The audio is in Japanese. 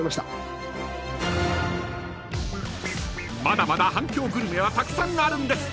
［まだまだ反響グルメはたくさんあるんです］